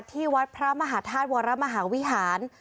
ที่วัดพระมหาธาตุวรมหาวิหาร